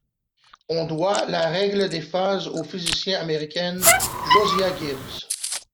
On doit la règle des phases au physicien américain Josiah Gibbs.